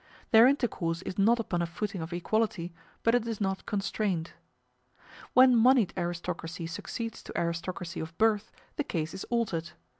Their intercourse is not upon a footing of equality, but it is not constrained. When moneyed aristocracy succeeds to aristocracy of birth, the case is altered.